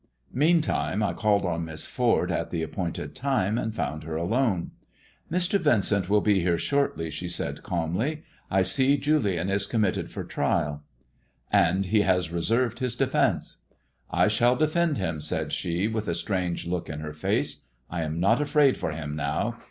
Meantime I called on Miss Ford at the appointed time, aud found her alone. ''Mr. Vincent will he here shortly," she said calmly. " I see Julian ia committed for trial." 272 THE GllEEN STONE GOD AND THE STOCKBROKER And he has reserved his defence." ^* I shall defend him/' said she, with a strange look in her face; '^I am not afraid for him now.